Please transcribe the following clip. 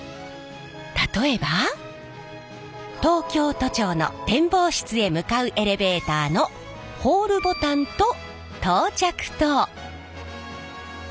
例えば東京都庁の展望室へ向かうエレベーターのホールボタンと到着灯。